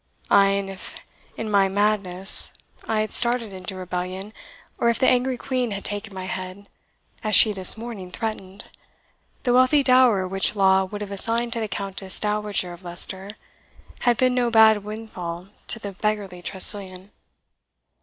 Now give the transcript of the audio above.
Ay, and if in my madness I had started into rebellion, or if the angry Queen had taken my head, as she this morning threatened, the wealthy dower which law would have assigned to the Countess Dowager of Leicester had been no bad windfall to the beggarly Tressilian.